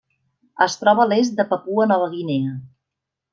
Es troba a l'est de Papua Nova Guinea.